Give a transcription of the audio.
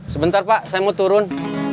sebentar pak saya mau turun